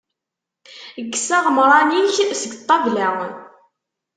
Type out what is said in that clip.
Kkes iɣemran-ik seg ṭṭabla.